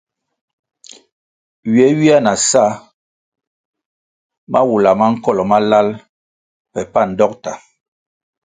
Ywe ywia na sa mawula ma nkolo malal pe pan dokta.